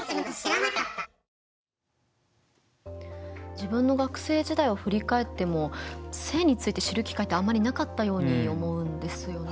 自分の学生時代を振り返っても性について知る機会ってあんまりなかったように思うんですよね。